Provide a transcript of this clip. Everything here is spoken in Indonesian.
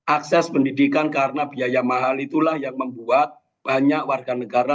akses pendidikan karena biaya mahal itulah yang membuat banyak warga negara